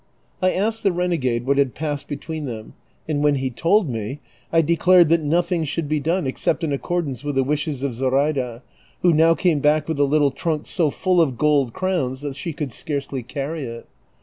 I asked the renegade what had passed between them, and when he told me, I declared that nothing should be done except in accordance with the wishes of Zoraida, who now came back with a little trunk so full of gold crowns that she could scarcely carry it.